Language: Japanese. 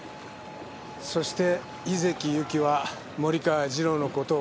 そして井関ゆきは森川次郎の事をかばっていた。